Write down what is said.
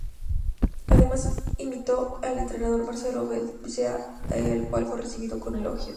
Además imitó al entrenador Marcelo Bielsa, el cual fue recibido con elogios.